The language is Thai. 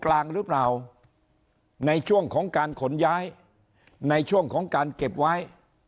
กลางหรือเปล่าในช่วงของการขนย้ายในช่วงของการเก็บไว้